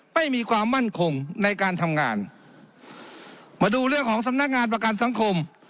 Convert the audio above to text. ไม่มีความมั่นคงในการทำงานมาดูเรื่องของสำนักงานประกันสังคม